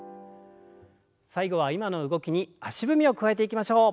最後は今の動きに足踏みを加えていきましょう。